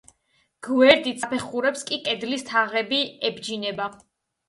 გვერდით საფეხურებს კი კედლის თაღები ებჯინება.